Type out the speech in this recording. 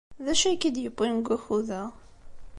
D acu ay k-id-yewwin deg wakud-a?